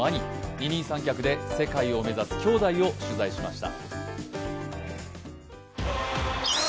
二人三脚で世界を目指す兄弟を取材しました。